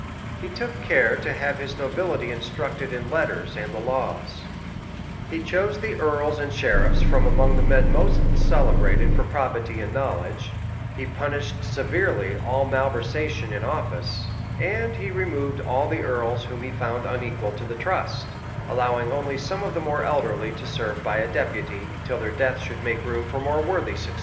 [] He took care to have his nobility instructed in letters and the laws; [] he chose the earls and sheriffs from among the men most celebrated for probity and knowledge; he punished severely all malversation in office;[] and he removed all the earls whom he found unequal to the trust;[] allowing only some of the more elderly to serve by a deputy, till their death should make room for more worthy successors.